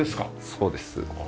そうです。